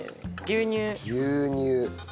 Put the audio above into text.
牛乳。